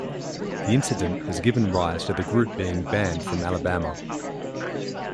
The incident has given rise to the group being "banned from Alabama".